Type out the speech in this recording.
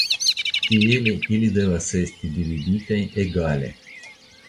Tiele ili devas esti dividitaj egale.